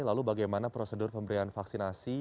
lalu bagaimana prosedur pemberian vaksinasi